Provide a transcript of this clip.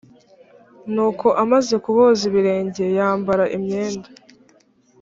nuko amaze kuboza ibirenge yambara imyenda